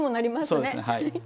そうですねはい。